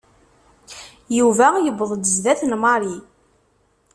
Yuba yewweḍ-d zdat n Mary.